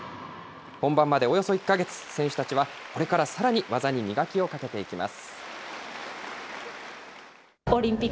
本番までおよそ１か月、選手たちは、これからさらに技に磨きをかけていきます。